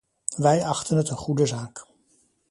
Wij achten het een goede zaak.